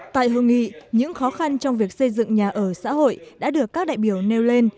tại hội nghị những khó khăn trong việc xây dựng nhà ở xã hội đã được các đại biểu nêu lên